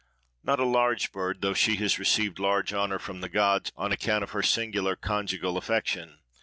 "Not a large bird, though she has received large honour from the gods on account of her singular conjugal affection.